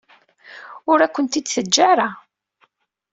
Ur akent-ten-id-teǧǧa ara.